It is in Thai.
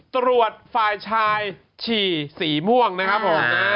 ตรวจฝ่ายชายฉี่สีม่วงนะครับผม